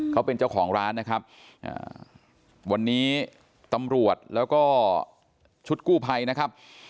เขาเป็นเจ้าของร้านนะครับวันนี้ตำรวจแล้วก็ชุดกู้ภัยนะครับ